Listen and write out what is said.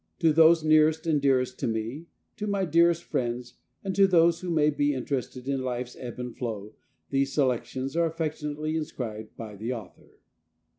To those nearest and dearest to me, to my dearest friends, and to those who may be interested in life's ebb and flow, these selections are affectionately inscribed by THE AUTHOR.